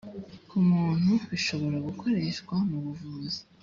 ku muntu bishobora gukoreshwa mu buvuzi